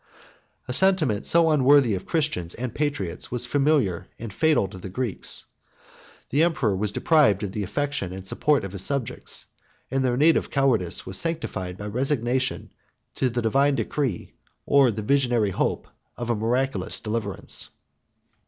35 A sentiment so unworthy of Christians and patriots was familiar and fatal to the Greeks: the emperor was deprived of the affection and support of his subjects; and their native cowardice was sanctified by resignation to the divine decree, or the visionary hope of a miraculous deliverance.